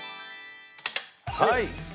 はい